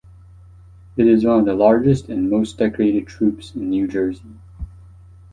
It is one of the largest and most decorated troops in New Jersey.